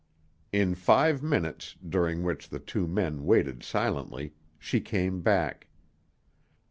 In five minutes, during which the two men waited silently, she came back.